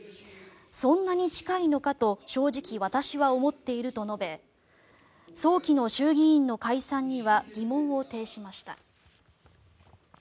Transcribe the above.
そんなに近いのかと正直、私は思っていると述べ早期の衆議院の解散には疑問を呈しました。